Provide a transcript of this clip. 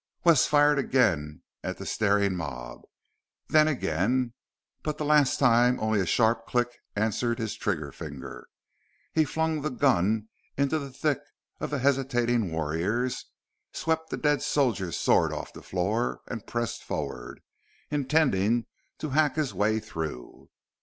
Wes fired again at the staring mob; then again; but the last time only a sharp click answered his trigger finger. He flung the gun into the thick of the hesitating warriors, swept the dead soldier's sword off the floor and pressed forward, intending to hack his way through.